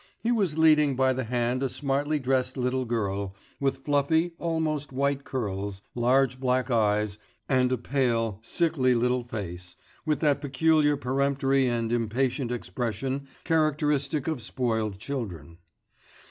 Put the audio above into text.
He was leading by the hand a smartly dressed little girl, with fluffy, almost white curls, large black eyes, and a pale, sickly little face, with that peculiar peremptory and impatient expression characteristic of spoiled children.